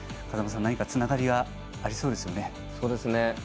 風間さん何かつながりがありそうですね。